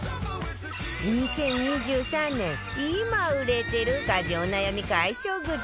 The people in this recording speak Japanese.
２０２３年今売れてる家事お悩み解消グッズ